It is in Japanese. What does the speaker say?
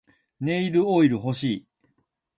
ネイルオイル欲しい